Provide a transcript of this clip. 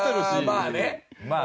まあね。